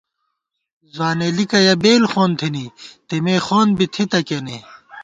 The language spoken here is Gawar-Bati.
ځوانېلِکَنہ یَہ بېل خون تھی، تېمے خوند بی تھِتہ کېنے